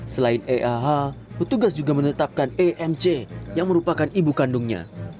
selain eah petugas juga menetapkan emc yang merupakan ibu kandungnya